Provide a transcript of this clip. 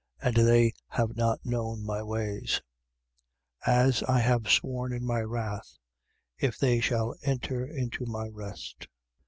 And they have not known my ways. 3:11. As I have sworn in my wrath: If they shall enter into my rest.